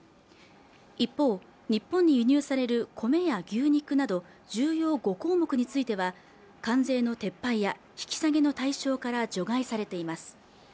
一方日本に輸入されるコメや牛肉など重要５項目については関税の撤廃や引き下げの対象から除外されています